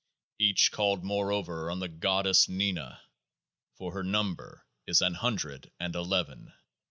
Each called moreover on the Goddess NINA, 26 for Her number is An Hundred and Eleven.